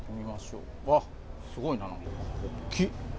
うわっ、すごいな、大きい。